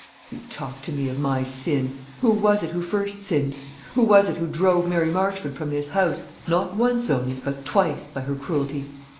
"You talk to me of my sin. Who was it who first sinned? Who was it who drove Mary Marchmont from this house, not once only, but twice, by her cruelty?